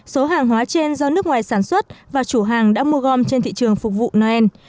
số hàng hóa trên do nước ngoài sản xuất và chủ hàng đã mua gom trên thị trường phục vụ noel